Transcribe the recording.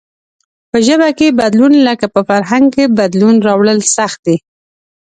په ژبه کې بدلون لکه په فرهنگ کې بدلون راوړل سخت دئ.